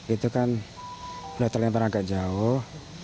itu kan udah terlebar agak jauh